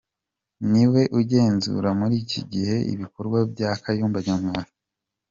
Niwe ugenzura muri iki gihe ibikorwa bya Kayumba Nyamwasa.